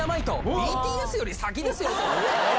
ＢＴＳより先ですよ。